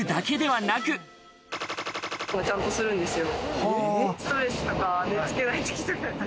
の音がちゃんとするんですよ。